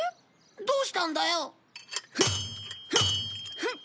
どうしたんだよ。